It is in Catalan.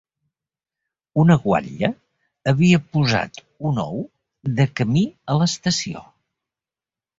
Una guatlla havia posat un ou de camí a l'estació.